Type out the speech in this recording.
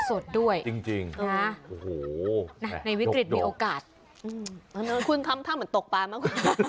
สดด้วยจริงนะโอ้โหในวิกฤตมีโอกาสคุณทำท่าเหมือนตกปลามากกว่า